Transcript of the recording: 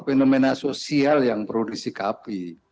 fenomena sosial yang perlu disikapi